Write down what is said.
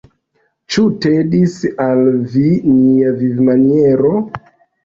Ĉu tedis al vi nia vivmaniero?